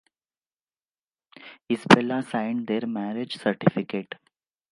Isabel signed their marriage certificate.